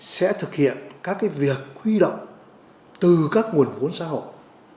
sẽ thực hiện các việc huy động từ các nguồn vốn xã hội